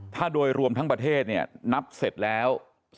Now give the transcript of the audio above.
ถ้าโดยรวมทั้งประเทศนับเสร็จแล้ว๑๒